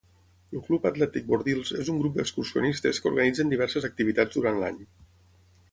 El Club Atlètic Bordils és un grup d'excursionistes que organitzen diverses activitats durant l'any.